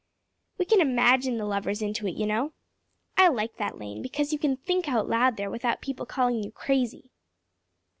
We can't imagine the lovers into it, you know. I like that lane because you can think out loud there without people calling you crazy."